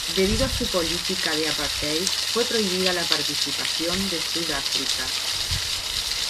Debido a su política del apartheid, fue prohibida la participación de Sudáfrica.